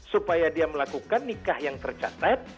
supaya dia melakukan nikah yang tercatat